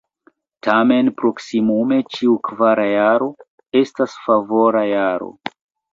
Tamen proksimume ĉiu kvara jaro estas favora jaro.